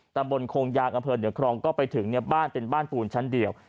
ตำบลโคงยางอำเภอเหนือครองก็ไปถึงบ้านเป็นบ้านปูนชั้นเดียว